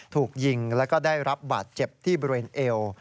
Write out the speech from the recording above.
ถูกยิงแล้วก็ได้รับบาดเจ็บที่บริเวณเอว